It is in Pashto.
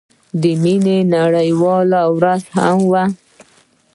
د مينې نړيواله ورځ هم وه.